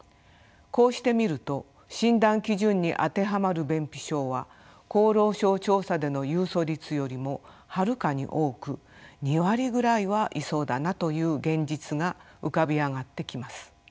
こうしてみると診断基準に当てはまる便秘症は厚労省調査での有訴率よりもはるかに多く２割ぐらいはいそうだなという現実が浮かび上がってきます。